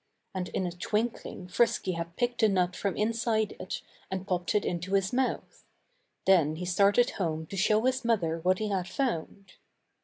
And in a twinkling Frisky had picked the nut from inside it and popped it into his mouth. Then he started home to show his mother what he had found.